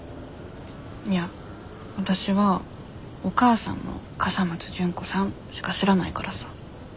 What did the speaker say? いやわたしは「お母さん」の「笠松純子さん」しか知らないからさ。